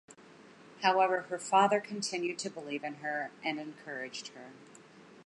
However, her father continued to believe in her and encouraged her.